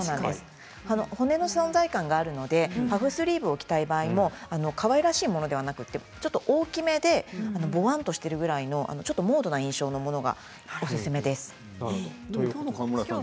袖の存在感があるのでパフスリーブを着たい場合もかわいらしいものではなくて大きめで、ちょっとモードな印象のものがおすすめです。